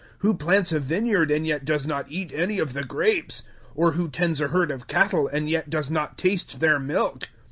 Who plants a vineyard and yet does not eat any of the grapes? Or who tends a herd of cattle and yet does not taste their milk?